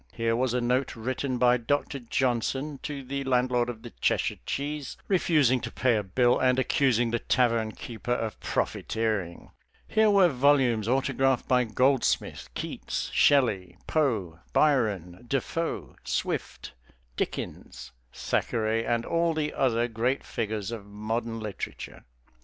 Here was a note written by Doctor Johnson to the landlord of the Cheshire Cheese, refusing to pay a bill and accusing the tavern keeper of profiteering. Here were volumes autographed by Goldsmith, Keats, Shelley, Poe, Byron, DeFoe, Swift, Dickens, Thackeray, and all the other great figures of modern literature.